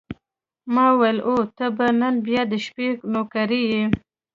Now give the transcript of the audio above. ما وویل: او ته به نن بیا د شپې نوکري یې.